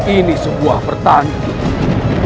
ini sebuah pertandingan